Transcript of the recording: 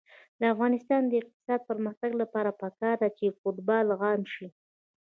د افغانستان د اقتصادي پرمختګ لپاره پکار ده چې فوټبال عام شي.